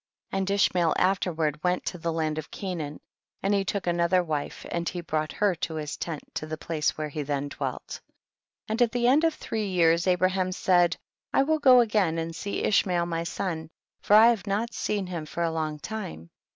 37. And Ishmael afterward went to the land of Canaan, and he took another wife and he brought her to his tent to the place where he then dwelt. 38. And at the end of three years Abraham said, I will go again and see Ishmael my son, for I have not seen him for a long time.